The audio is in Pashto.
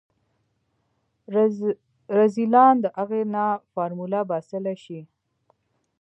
رذيلان د اغې نه فارموله باسلی شي.